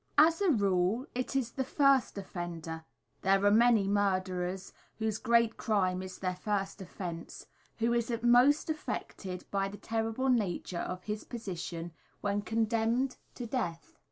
As a rule, it is the first offender there are many murderers whose great crime is their first offence who is most affected by the terrible nature of his position when condemned to death.